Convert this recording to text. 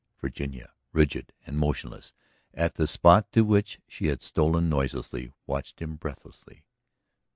Virginia, rigid and motionless at the spot to which she had stolen noiselessly, watched him breathlessly.